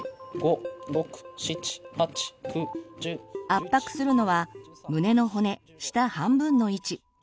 圧迫するのは胸の骨下半分の位置。